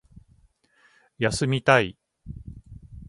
休みたい